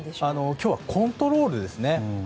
今日はコントロールです。